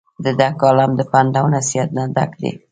د دۀ کالم د پند او نصيحت نه ډک دے ۔